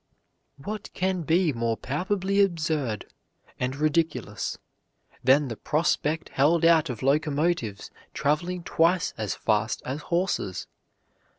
"What can be more palpably absurd and ridiculous than the prospect held out of locomotives traveling twice as fast as horses?"